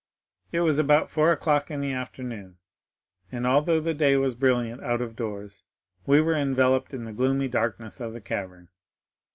"It was about four o'clock in the afternoon, and although the day was brilliant out of doors, we were enveloped in the gloomy darkness of the cavern.